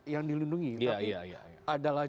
yang dilindungi tapi adalah